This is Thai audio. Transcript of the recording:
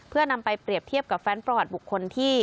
เพื่อนำไปเปรียบเทียบกับแฟนประวัติบุคคลที่